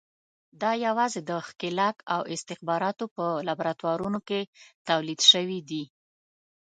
دا یوازې د ښکېلاک او استخباراتو په لابراتوارونو کې تولید شوي دي.